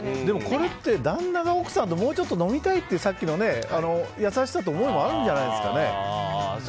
これって、旦那が奥さんともうちょっと飲みたいって優しさっていう思いもあるんじゃないですかね。